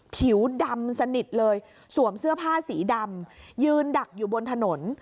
ผิวดำสนิทเลยสวมเสื้อผ้าสีดำยืนดักอยู่บนถนน